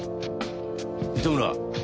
糸村。